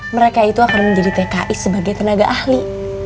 mereka itu akan menjadi tki sebagai tenaga ahli